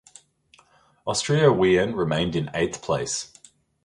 Austria Wien remained in eighth place.